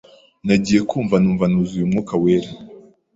Nagiye kumva numva nuzuye umwuka wera